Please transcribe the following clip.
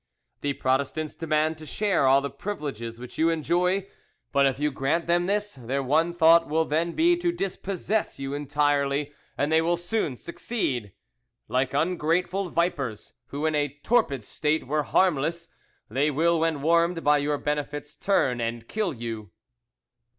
"The Protestants demand to share all the privileges which you enjoy, but if you grant them this, their one thought will then be to dispossess you entirely, and they will soon succeed. "Like ungrateful vipers, who in a torpid state were harmless, they will when warmed by your benefits turn and kill you.